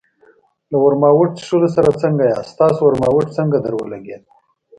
له ورماوټ څښلو سره څنګه یاست؟ ستاسو ورماوټ څنګه درولګېد؟